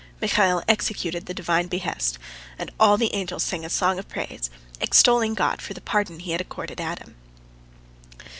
Michael executed the Divine behest, and all the angels sang a song of praise, extolling God for the pardon He had accorded Adam.